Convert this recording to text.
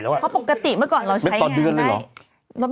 เพราะปกติเมื่อก่อนเราใช้งานไหม